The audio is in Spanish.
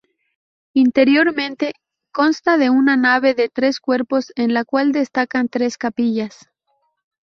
Interiormente, consta de una nave de tres cuerpos en la cual destacan tres capillas.